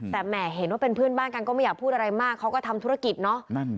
แต่แห่เห็นว่าเป็นเพื่อนบ้านกันก็ไม่อยากพูดอะไรมากเขาก็ทำธุรกิจเนาะ